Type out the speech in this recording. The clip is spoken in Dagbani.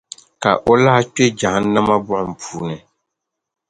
Ka o lahi kpe Jahannama buɣum ni.